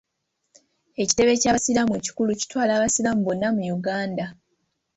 Ekitebe ky'Abasiraamu ekikulu kitwala Abasiraamu bonna mu Uganda.